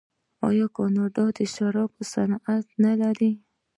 آیا کاناډا د شرابو صنعت نلري؟